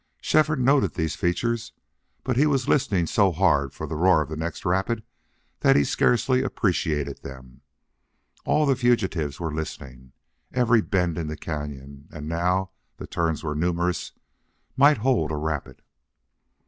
Shefford noted these features, but he was listening so hard for the roar of the next rapid that he scarcely appreciated them. All the fugitives were listening. Every bend in the cañon and now the turns were numerous might hold a rapid.